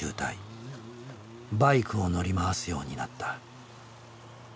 バイクを乗り回すようになった。